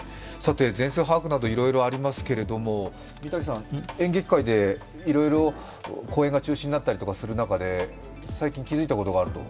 全数把握などいろいろありますが、三谷さん、演劇界でいろいろ公演が中止になったりとかする中で最近、気づいたことがあると。